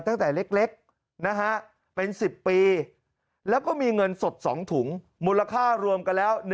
ตั้งแต่เล็กเป็น๑๐ปีแล้วก็มีเงินสด๒ถุงมูลค่ารวมกันแล้ว